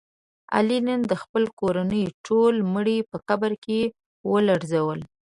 علي نن د خپلې کورنۍ ټول مړي په قبر کې ولړزول.